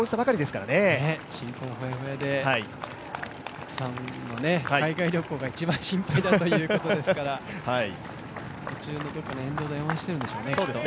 新婚ほやほやで奥さんの海外旅行が一番心配だということですから途中、どっかの沿道で応援しているんでしょうね、きっと。